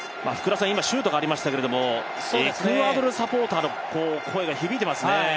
今シュートがありましたけどエクアドルサポーターの声が響いていますね。